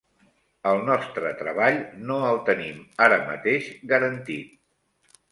El nostre treball no el tenim ara mateix garantit.